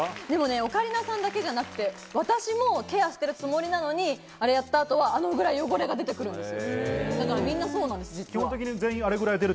オカリナさんだけじゃなくて私もケアしてるつもりなのに、あれやった後はあのぐらい汚れが出てくるんですよ。